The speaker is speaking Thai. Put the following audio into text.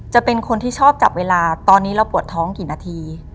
จะเป็นคนที่ชอบจับเวลาตอนนี้เราปวดท้องกี่นาที